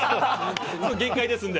限界ですので。